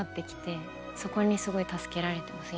そこにすごい助けられてます